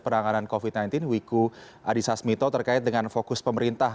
panganan covid sembilan belas wiku adhisasmito terkait dengan fokus pemerintah